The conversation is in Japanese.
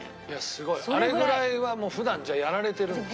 あれぐらいはもう普段じゃあやられてるんですか？